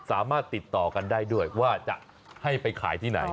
สามารถติดต่อกันได้ด้วยว่าจะให้ไปขายที่ไหน